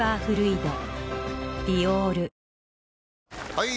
・はい！